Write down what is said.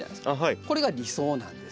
これが理想なんです。